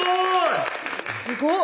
すごい！